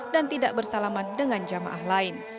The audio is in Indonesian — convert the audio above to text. dan tidak bersalaman dengan jamaah lain